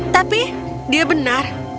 tapi dia benar